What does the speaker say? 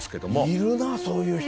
いるなそういう人。